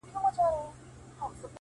o زه وايم راسه حوصله وكړو،